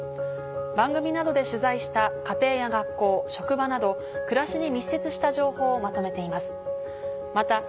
番組などで取材した家庭や学校職場など暮らしに密接した情報をまとめています。